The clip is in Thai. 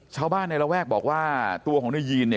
ชาวบ้านในระแวกบอกว่าตัวของนายยีนเนี่ย